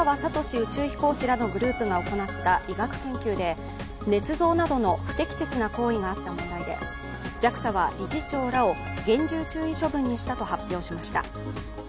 宇宙飛行士らのグループが行った医学研究でねつ造などの不適切な行為があった問題で、ＪＡＸＡは理事長らを厳重注意処分にしたと発表しました。